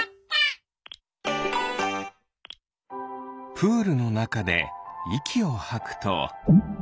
プールのなかでいきをはくと？